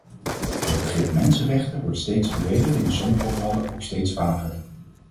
Het begrip mensenrechten wordt steeds breder en in sommige gevallen ook steeds vager.